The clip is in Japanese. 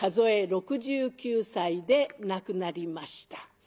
え６９歳で亡くなりました。